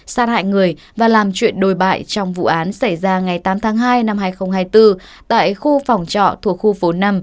sát hại người và làm chuyện đồi bại trong vụ án xảy ra ngày tám tháng hai năm hai nghìn hai mươi bốn tại khu phòng trọ thuộc khu phố năm